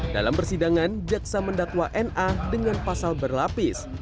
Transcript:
dalam persidangan jaksa mendakwa na dengan pasal berlapis